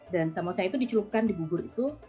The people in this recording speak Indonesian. dan samosa itu diculupkan di bubur itu